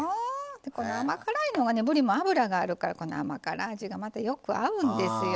この甘辛いのがねぶりも脂があるからこの甘辛い味がまたよく合うんですよ。